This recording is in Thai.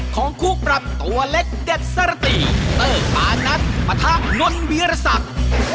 ของคู่ปรับตัวเล็กเด็ดสระตีเตอร์ปานัทปะทะนนวีรศักดิ์